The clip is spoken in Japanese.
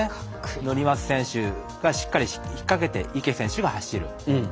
乗松選手がしっかりひっかけて池選手が走る。